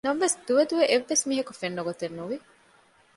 ނަމަވެސް ދުވެ ދުވެ އެއްވެސް މީހަކު ފެންނަގޮތެއް ނުވި